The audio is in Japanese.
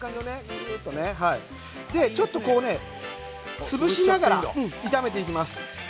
ちょっと潰しながら炒めていきます。